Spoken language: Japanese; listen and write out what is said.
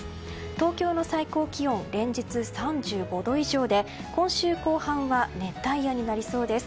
東京の最高気温連日３５度以上で今週後半は熱帯夜になりそうです。